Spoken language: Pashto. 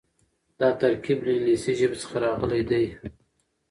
دا ترکيب له انګليسي ژبې څخه راغلی دی.